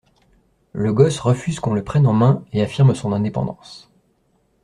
Le gosse refuse qu’on le prenne en main et affirme son indépendance.